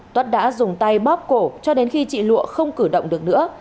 tuất đã dùng tay bóp cổ cho đến khi chị lụa không cử động được nữa